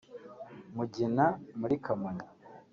Mugina muri Kamonyi